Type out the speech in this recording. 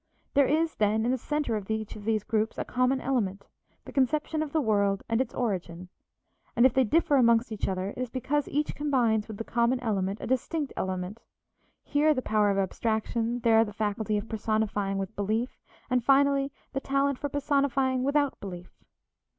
There is, then, in the center of each of these groups a common element, the conception of the world and its origin, and if they differ amongst each other it is because each combines with the common element a distinct element; here the power of abstraction, there the faculty of personifying with belief, and, finally, the talent for personifying without belief.